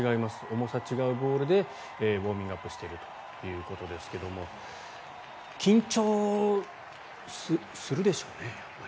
重さが違うボールでウォーミングアップしているということですが緊張するでしょうね、やっぱり。